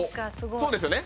そうですよね。